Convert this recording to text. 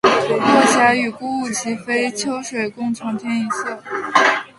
落霞与孤鹜齐飞，秋水共长天一色